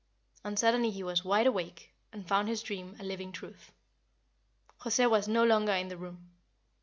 And suddenly he was wide awake, and found his dream a living truth. José was no longer in the room.